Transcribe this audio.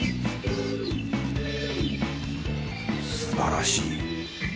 すばらしい。